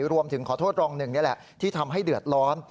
รวมถึงขอโทษรองหนึ่งนี่แหละที่ทำให้เดือดร้อน